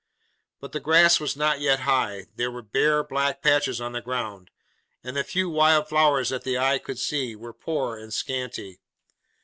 But the grass was not yet high; there were bare black patches on the ground; and the few wild flowers that the eye could see, were poor and scanty.